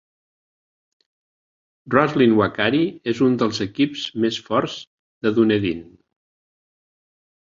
Roslyn-Wakari és un dels equips més forts de Dunedin.